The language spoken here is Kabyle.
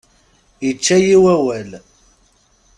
Ičča-yi wawal.